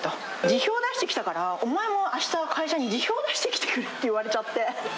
辞表を出してきたから、お前もあした会社に辞表出してきてくれって言われちゃって。